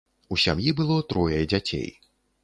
У сям'і было трое дзяцей.